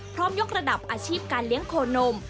ยกระดับอาชีพการเลี้ยงโคนม